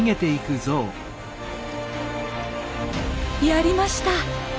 やりました！